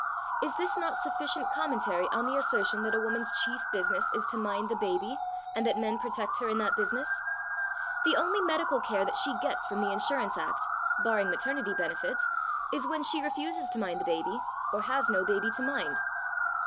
Is this not sufficient commentary on the assertion that a woman's chief business is to mind the baby and that men protect her in that business? The only medical care that she gets from the Insurance Act (barring maternity benefit) is when she refuses to mind the baby or has no baby to mind.